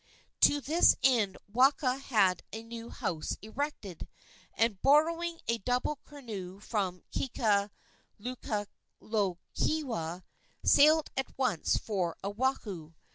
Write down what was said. To this end Waka had a new house erected, and, borrowing a double canoe from Kekalukaluokewa, sailed at once for Oahu.